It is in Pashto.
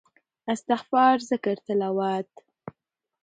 استغفار ذکر تلاوت